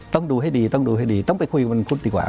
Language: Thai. ต้องดูให้ดีต้องดูให้ดีต้องไปคุยวันพุธดีกว่า